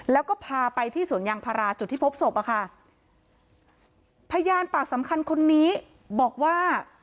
แล้วก็พาไปที่สวนยางพาราจุดที่พบศพอะค่ะพยานปากสำคัญคนนี้บอกว่า